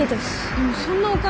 でもそんなお金。